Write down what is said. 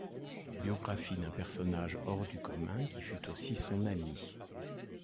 Biographie d'un personnage hors du commun qui fut aussi son ami.